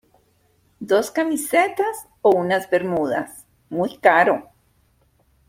dos camisetas o unas bermudas. muy caro .